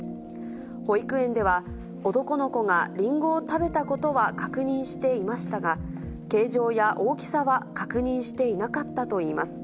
保育園では、男の子がりんごを食べたことは確認していましたが、形状や大きさは確認していなかったといいます。